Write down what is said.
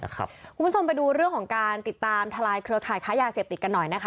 คุณผู้ชมไปดูเรื่องของการติดตามทลายเครือข่ายค้ายาเสพติดกันหน่อยนะคะ